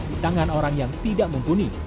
di tangan orang yang tidak mumpuni